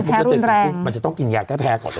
แพ้รุนแรงมันจะต้องกินยาแก้แพ้ก่อนเลย